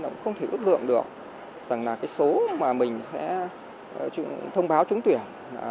nó cũng không thể ước lượng được rằng là cái số mà mình sẽ thông báo trúng tuyển